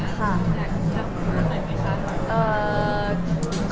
ใช่ค่ะ